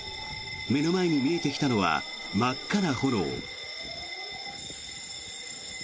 目の前に見えてきたのは真っ赤な炎。